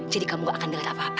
jadi kamu nggak akan dengar apa apa